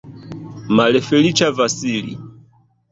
Malfeliĉa Vasili!